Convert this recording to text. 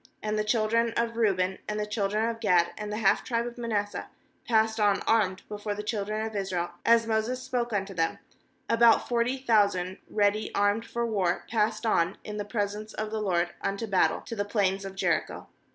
^And the children of Reuben, and the children of Gad, and the half tribe of Manasseh, passed on armed before the children of Israel, as Moses spoke unto them; 13about forty thousand ready armed for war passed on in the presence of the LORD unto battle, to the plains of Jericho.